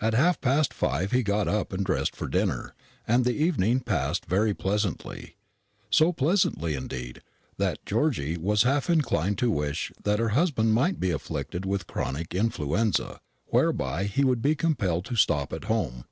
At half past five he got up and dressed for dinner, and the evening passed very pleasantly so pleasantly, indeed, that Georgy was half inclined to wish that her husband might be afflicted with chronic influenza, whereby he would be compelled to stop at home.